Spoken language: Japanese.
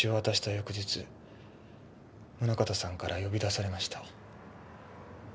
翌日宗形さんから呼び出されました。